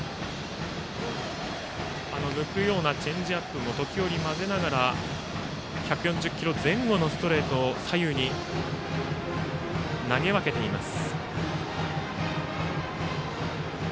抜くようなチェンジアップも時折、交ぜながら１４０キロ前後のストレートを左右に投げ分けています。